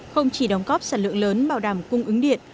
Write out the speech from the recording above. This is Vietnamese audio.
không chỉ đóng góp sản lượng lớn bảo đảm cung ứng điện